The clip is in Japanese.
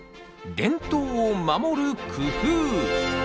伝統を守る工夫